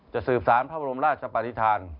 สืบสารพระบรมราชปฏิฐาน